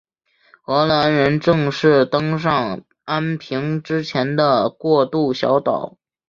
荷兰人正式登上安平之前的过渡小岛。